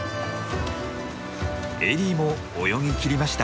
エリーも泳ぎきりました。